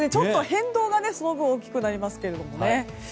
変動がその分、大きくなりますけどね。